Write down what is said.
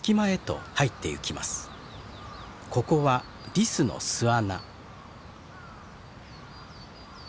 ここはリスの巣穴。